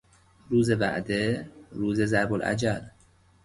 روز وعده، روز ضرب الاجل